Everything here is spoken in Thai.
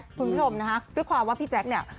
คุณผู้ชมนะคะด้วยความว่าพี่แจ๊คเนี่ย